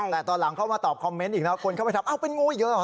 แต่ตอนหลังเข้ามาตอบคอมเมนต์อีกนะคนเข้าไปทำเป็นงูอีกเยอะเหรอ